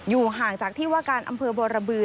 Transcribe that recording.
ห่างจากที่ว่าการอำเภอบรบือ